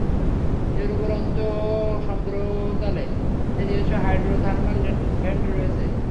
এর উপরন্তু, সমুদ্রতলে এর নিজস্ব হাইড্রোথার্মাল ভেন্ট রয়েছে।